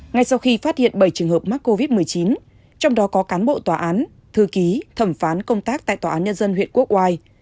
ngay sau khi phát hiện bảy trường hợp mắc covid một mươi chín trong đó có cán bộ tòa án thư ký thẩm phán công tác tại tòa án nhân dân huyện quốc oai